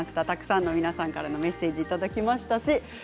たくさんの皆さんからのメッセージいただきましたし